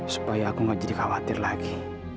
supaya aku gak jadi khawatir lagi